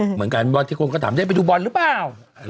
เหมือนกันว่าที่คนก็ถามได้ไปดูบอลหรือเปล่า